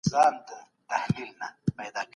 د لرغونو ښارونو ویجاړېدو پر سوداګرۍ څه اغېزدرلوده؟